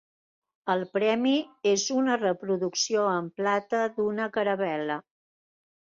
El premi és una reproducció en plata d'una caravel·la.